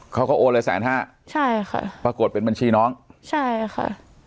เขาก็โอนเลยแสนห้าใช่ค่ะปรากฏเป็นบัญชีน้องใช่ค่ะ